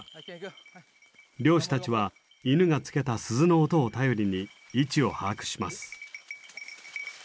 猟師たちは犬がつけた鈴の音を頼りに位置を把握します。